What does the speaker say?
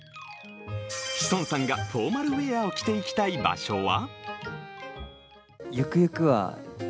志尊さんがフォーマルウェアを着ていきたい場所は？